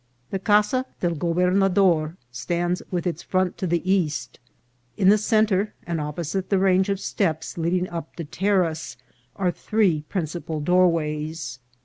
The Casa del Gobernador stands with its front to the east. In the centre, and opposite the range of steps leading up the terrace, are three principal doorways.